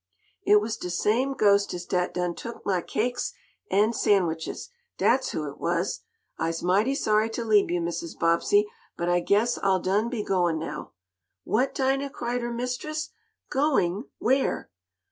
"It was de same ghostest dat done took mah cakes an' sandwiches, dat's who it was. I'se mighty sorry t' leab yo', Mrs. Bobbsey, but I guess I'll done be goin' now." "What, Dinah!" cried her mistress. "Going? Where?"